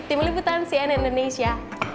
tim liputan cnn indonesia